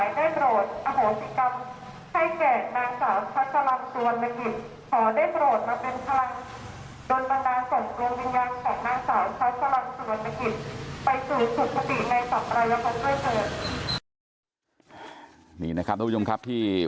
อยู่สามต่อหน้าและนับกรรมของท่านทั้งหลายได้โปรด